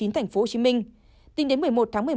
tp hcm tính đến một mươi một tháng một mươi một